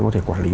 có thể quản lý